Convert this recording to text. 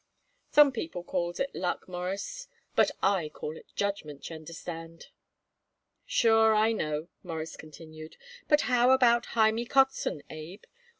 "Some people calls it luck, Mawruss, but I call it judgment, y'understand." "Sure, I know," Morris continued, "but how about Hymie Kotzen, Abe?